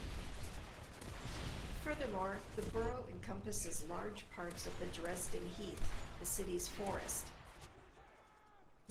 Furthermore, the borough encompasses large parts of the Dresden Heath, the city's forest.